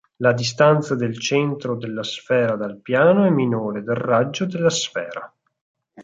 La distanza del centro della sfera dal piano è minore del raggio della sfera.